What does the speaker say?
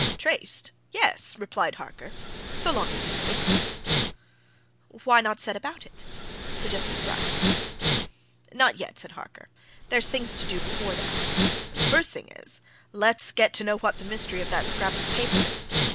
"Traced yes," replied Harker. "So long as he's in England." "Why not set about it?" suggested Bryce. "Not yet," said Harker. "There's things to do before that. And the first thing is let's get to know what the mystery of that scrap of paper is.